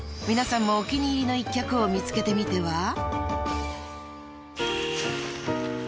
［皆さんもお気に入りの一脚を見つけてみては？］